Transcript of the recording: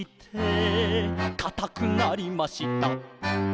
「かたくなりました」